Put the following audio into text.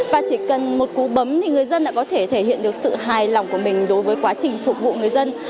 và chỉ cần một cú bấm thì người dân đã có thể thể hiện được sự hài lòng của mình đối với quá trình phục vụ người dân